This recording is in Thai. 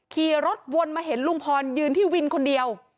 ขี่รถวนมาเห็นลุงพรยืนที่วินคนเดียว